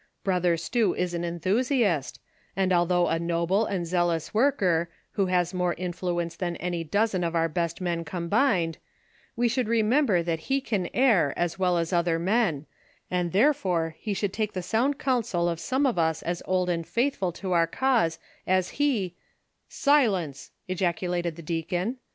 Brother Stew is an enthusiast, and although a noble and zealous worker, who has more influence than any dozen of our best men combined, we should remember that he can err as well as other men, and therefore he should take the counsel of some who are as old and faith ful to our cause as he "— "Silence!" ejaculated the deacon.